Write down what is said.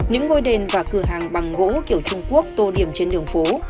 những ngôi đền và cửa hàng bằng gỗ kiểu trung quốc tô điểm trên đường phố